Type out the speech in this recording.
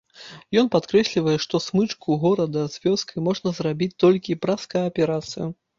Ён падкрэслівае, што смычку горада з вёскай можна зрабіць толькі праз кааперацыю.